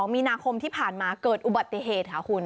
มีนาคมที่ผ่านมาเกิดอุบัติเหตุค่ะคุณ